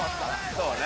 そうね。